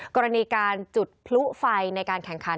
กรณีการจุดพลุไฟในการแข่งขัน